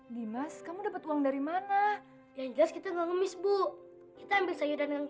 dimas kamu dapat uang dari mana yang jelas kita ngemis bu kita ambil sayuran yang